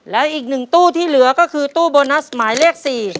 และอีก๑ตู้ที่เหลือก็คือตู้โบนัสหมายเลข๔